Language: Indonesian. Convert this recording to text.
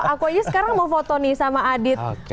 aku aja sekarang mau foto nih sama adit